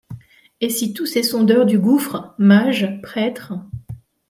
Et si tous ces sondeurs du gouffre, mages, prêtres